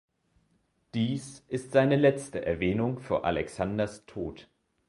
Dies ist seine letzte Erwähnung vor Alexanders Tod.